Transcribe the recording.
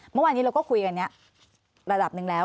เมื่อวานนี้เราก็คุยกันนี้ระดับหนึ่งแล้ว